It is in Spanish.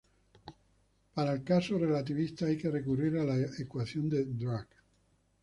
Para el caso relativista hay que recurrir a la ecuación de Dirac.